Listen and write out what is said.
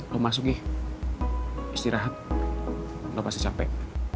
lo masuk gi istirahat lo pasti capek